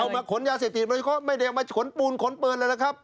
เอามาขนยาเสพติดเค้าไม่ได้เอามาขนปูนขนเปินเลยนะครับ